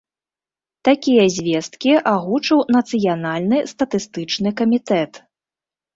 Такія звесткі агучыў нацыянальны статыстычны камітэт.